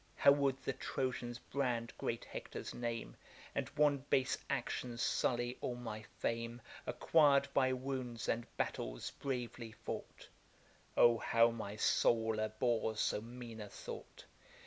How would the Trojans brand great Hector's name! And one base action sully all my fame, Acquired by wounds and battles bravely fought! Oh! how my soul abhors so mean a thought.